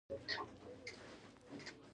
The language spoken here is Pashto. ډاکټر ستا او ستا د کورنۍ په درد خوري.